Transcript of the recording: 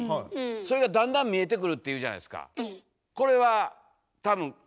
それがだんだん見えてくるっていうじゃないですか。